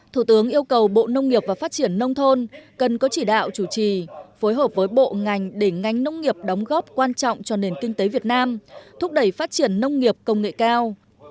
thủ tướng yêu cầu bộ nông nghiệp và phát triển nông thôn cần có chỉ đạo chủ trì phối hợp với bộ ngành để ngành nông nghiệp đóng góp quan trọng cho nền kinh tế việt nam thúc đẩy phát triển nông nghiệp công nghệ cao